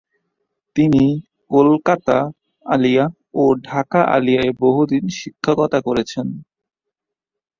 তিনি কলকাতা আলিয়া ও ঢাকা আলিয়ায় দীর্ঘদিন শিক্ষকতা করেছেন।